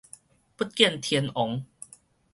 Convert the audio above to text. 不見天王